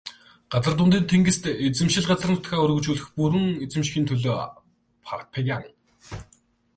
Газрын дундад тэнгист эзэмшил газар нутгаа өргөжүүлж бүрэн эзэмшихийн төлөө Карфаген.